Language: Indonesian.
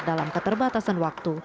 dalam keterbatasan waktu